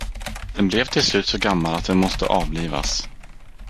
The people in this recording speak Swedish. Den blev till slut så gammal att den måste avlivas.